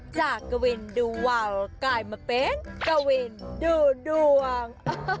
จากกวินดูวาวกลายมาเป็นกวินดูดวง